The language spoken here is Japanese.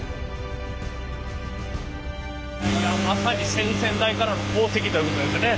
まさに先々代からの功績ということですね！